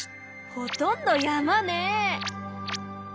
ほとんど山ね！